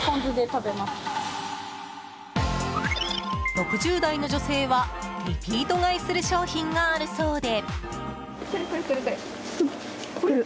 ６０代の女性はリピート買いする商品があるそうで。